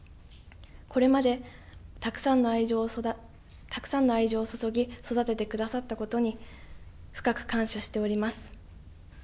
これまでたくさんの愛情を注ぎ育ててくださったことに深く感謝しております。